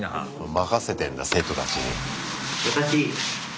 任せてんだ生徒たちに。